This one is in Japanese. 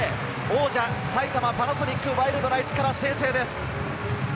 王者・埼玉パナソニックワイルドナイツから先制です。